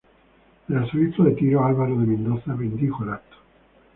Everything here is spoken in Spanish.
El arzobispo de Tiro, Álvaro de Mendoza, bendijo el acto.